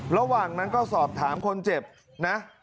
ระหว่างนั้นก็สอบถามคนเจ็บนะ